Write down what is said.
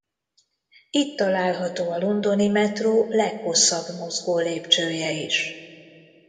Itt található a londoni metró leghosszabb mozgólépcsője is.